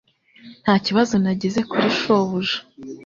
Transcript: Nta kibazo nagize kuri shobuja.